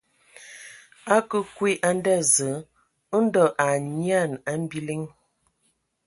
A kǝǝ kwi a nda Zǝǝ ndɔ a anyian a biliŋ.